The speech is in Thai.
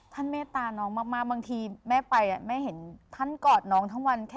เมตตาน้องมากบางทีแม่ไปแม่เห็นท่านกอดน้องทั้งวันแค่